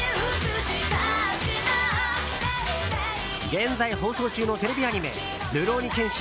現在、放送中のテレビアニメ「るろうに剣心